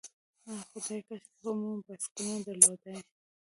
آه خدایه، کاشکې خو مو بایسکلونه درلودای.